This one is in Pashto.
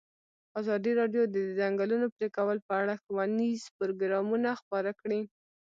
ازادي راډیو د د ځنګلونو پرېکول په اړه ښوونیز پروګرامونه خپاره کړي.